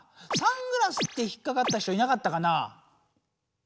サングラスって引っかかった人いなかったかな。